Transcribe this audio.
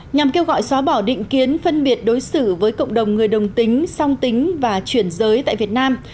nhằm kêu gọi xóa bỏ định kiến phân biệt đối xử với cộng đồng người đồng tính song tính và chuyển giới tại việt nam